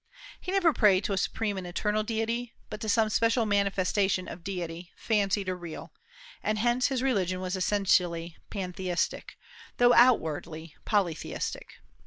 He never prayed to a supreme and eternal deity, but to some special manifestation of deity, fancied or real; and hence his religion was essentially pantheistic, though outwardly polytheistic.